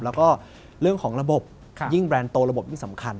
แล้วก็เรื่องของระบบยิ่งแบรนด์โตระบบยิ่งสำคัญ